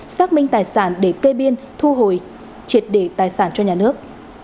xác minh tài sản để kê biên thu hồi triệt để tài sản cho nhà nước